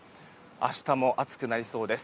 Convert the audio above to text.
明日も暑くなりそうです。